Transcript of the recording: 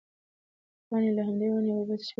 پاڼې له همدې ونې اوبه څښلې دي.